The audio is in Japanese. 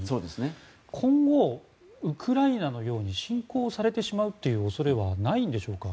今後ウクライナのように侵攻されてしまう恐れはないのでしょうか。